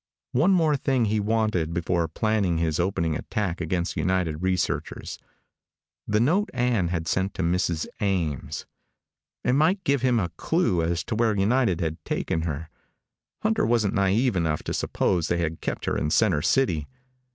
One more thing he wanted before he planned his opening attack against United Researchers the note Ann had sent to Mrs. Ames. It might give him a clue as to where United had taken her. Hunter wasn't naive enough to suppose they had kept her in center city.